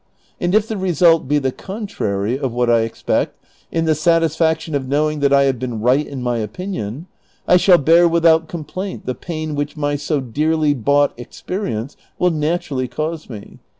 And if the result be the contrary of what I expect, in the satisfaction of knowing that I have been right in my opinion, I shall bear without complaint the pain which my so dearly bought experience will naturally cause me.